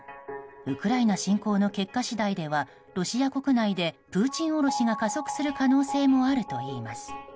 ウクライナ侵攻の結果次第ではロシア国内でプーチンおろしが加速する可能性もあるといいます。